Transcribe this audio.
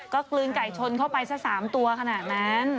ก็กลืนไก่ชนเข้าไปสัก๓ตัวขนาดนั้น